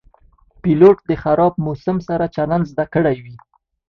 پیلوټ د خراب موسم سره چلند زده کړی وي.